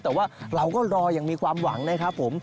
แต่ว่าเราก็รออย่างมีความหวังนะครับผม